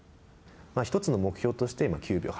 一つの目標として９秒８。